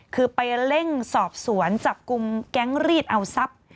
คือไปเร่งสอบสวนจับกลุ่มแก๊งรีดเอาทรัพย์